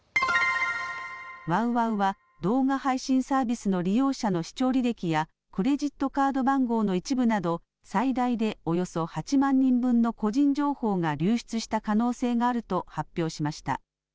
ＷＯＷＯＷは動画配信サービスの視聴履歴やクレジットカード番号の一部など最大でおよそ８万人分の個人情報が流出した可能性があると発表しました。